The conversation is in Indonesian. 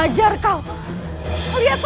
dalam keadaan perut yang lapar